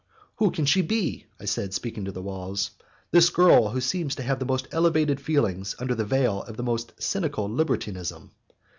"Who can she be," I said, speaking to the walls; "this girl who seems to have the most elevated feelings under the veil of the most cynical libertinism?